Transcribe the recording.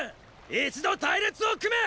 一度隊列を組め！